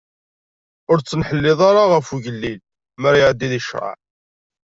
Ur d-ttneḥḥileḍ ara ɣef ugellil, mi ara iɛeddi di ccṛeɛ.